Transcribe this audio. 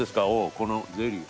このゼリー。